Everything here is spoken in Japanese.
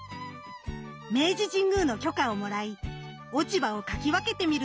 明治神宮の許可をもらい落ち葉をかき分けて見ると。